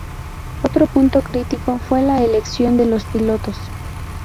Otro punto crítico fue la elección de los pilotos.